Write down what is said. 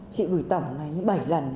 chị gửi tổng là bảy lần